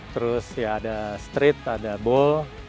terus ya ada street ada ball